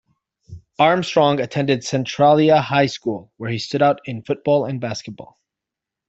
Armstrong attended Centralia High School where he stood out in football and basketball.